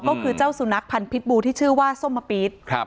ก็คือเจ้าสุนัขพันธ์พิษบูที่ชื่อว่าส้มมะปี๊ด